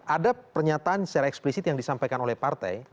ada pernyataan secara eksplisit yang disampaikan oleh partai